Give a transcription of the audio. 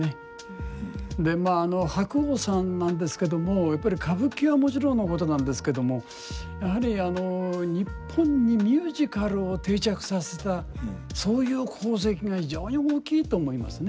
でまあ白鸚さんなんですけどもやっぱり歌舞伎はもちろんのことなんですけどもやはり日本にミュージカルを定着させたそういう功績が非常に大きいと思いますね。